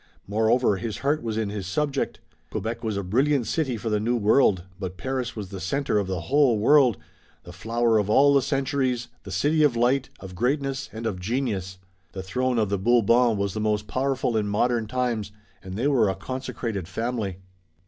Moreover his heart was in his subject. Quebec was a brilliant city for the New World, but Paris was the center of the whole world, the flower of all the centuries, the city of light, of greatness and of genius. The throne of the Bourbons was the most powerful in modern times, and they were a consecrated family.